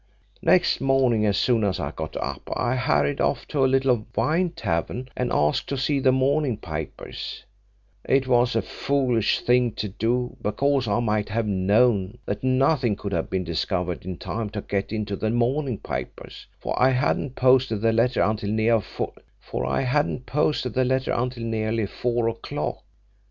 "Next morning, as soon as I got up, I hurried off to a little wine tavern and asked to see the morning papers. It was a foolish thing to do, because I might have known that nothing could have been discovered in time to get into the morning papers, for I hadn't posted the letter until nearly four o'clock.